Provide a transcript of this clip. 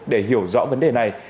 để hiểu rõ vấn đề này